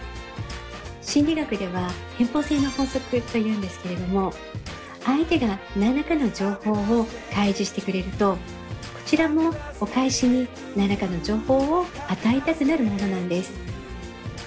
心理学では返報性の法則というんですけれども相手が何らかの情報を開示してくれるとこちらもお返しに何らかの情報を与えたくなるものなんです。